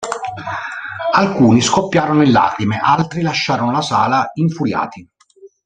Alcuni scoppiarono in lacrime, altri lasciarono la sala infuriati.